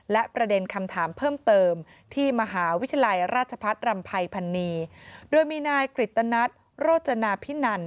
และประเด็นคำถามเพิ่มเติมที่มหาวิทยาลัยราชพัฒน์รำภัยพันนีโดยมีนายกฤตนัทโรจนาพินัน